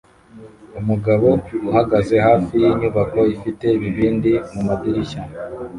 Umugabo uhagaze hafi yinyubako ifite ibibindi mumadirishya